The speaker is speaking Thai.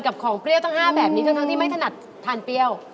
ตั้ง๕แบบนี้เพราะทั้งที่ไม่ถนัดทานเปรี้ยว